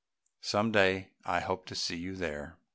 Some day I hope to see you there.